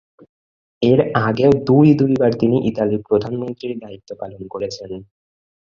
এর আগেও দুই দুইবার তিনি ইতালির প্রধানমন্ত্রীর দায়িত্ব পালন করেছেন।